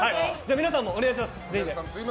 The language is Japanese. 皆さんもお願いします。